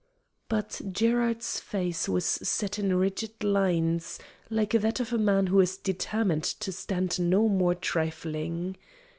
But Gerard's face was set in rigid lines, like that of a man who is determined to stand no more trifling.